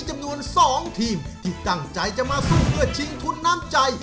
จำนวน๒ทีมที่ตั้งใจจะมาสู้เพื่อจริงฟลุรบัติ